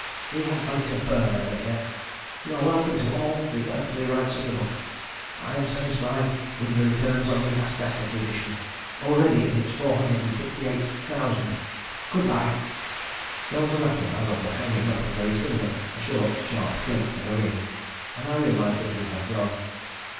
"We have money to burn over here. You are welcome to all the earthly rights of the book. I'm satisfied with the returns on the Asbestos Edition, already in its 468th thousand. Good bye." There was a rattle as of the hanging up of the receiver, a short sharp click and a ring, and I realised that he had gone.